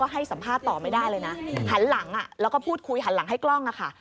หันหลังอ่ะแล้วก็พูดคุยหันหลังให้กล้องอ่ะค่ะ